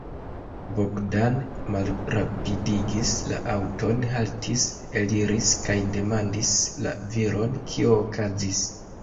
Bogdan malrapidigis la aŭton, haltis, eliris kaj demandis la viron, kio okazis.